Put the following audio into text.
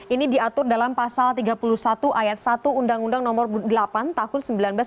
ini diatur dalam pasal tiga puluh satu ayat satu undang undang nomor delapan tahun seribu sembilan ratus sembilan puluh